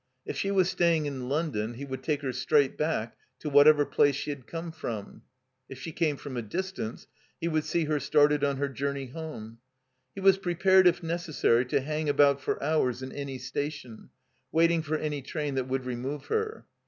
If she was stajdng m London he would take her straight back to whatever place she had come from. If she came from a distance he would see her started on her joiuney home. He was prepared, if necessary, to hang about for hours in any station, waiting for any train that would remove her.